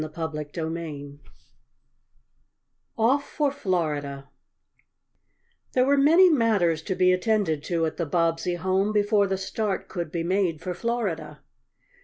CHAPTER V OFF FOR FLORIDA There were many matters to be attended to at the Bobbsey home before the start could be made for Florida.